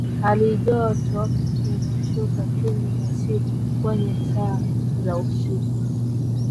halijoto inashuka chini ya C kwenye saa za usiku